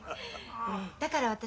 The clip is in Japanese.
だから私